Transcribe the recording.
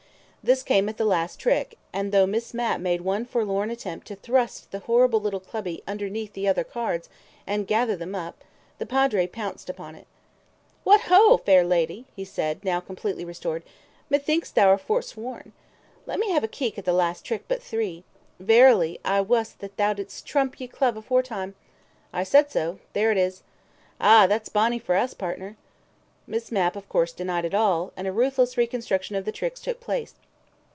This came at the last trick, and though Miss Mapp made one forlorn attempt to thrust the horrible little clubby underneath the other cards and gather them up, the Padre pounced on it. "What ho, fair lady!" he said, now completely restored. "Methinks thou art forsworn! Let me have a keek at the last trick but three! Verily I wis that thou didst trump ye club aforetime. I said so; there it is. Eh, that's bonny for us, partner!" Miss Mapp, of course, denied it all, and a ruthless reconstruction of the tricks took place.